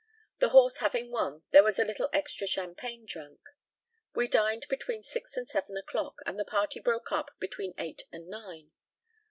The horse having won, there was a little extra champagne drunk. We dined between six and seven o'clock, and the party broke up between eight and nine.